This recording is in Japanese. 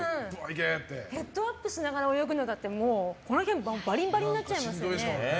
ヘッドアップしながら泳ぐのだって、この辺バリンバリンになっちゃいますよね。